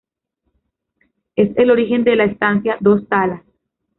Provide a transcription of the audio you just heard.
Es el origen de la estancia "Dos Talas".